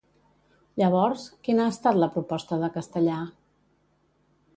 Llavors, quina ha estat la proposta de Castellà?